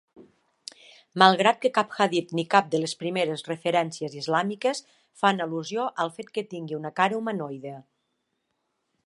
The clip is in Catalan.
Malgrat que cap hadit ni cap de les primeres referències islàmiques fan al·lusió al fet que tingui una cara humanoide.